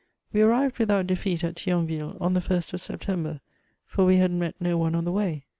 We arrived without defeat at Thionville^ on the Ist of Sep tember ; for we had met no one on the way.